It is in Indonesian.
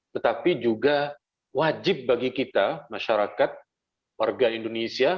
tetapi juga wajib bagi kita masyarakat warga indonesia